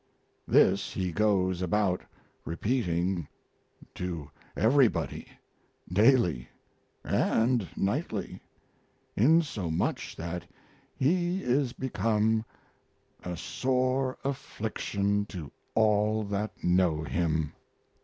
This he goes about repeating to everybody, daily and nightly, insomuch that he is become a sore affliction to all that know him.